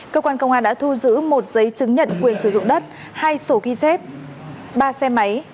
cơ quan công an đã thu giữ một giấy chứng nhận quyền sử dụng đất hai sổ ghi chép ba xe máy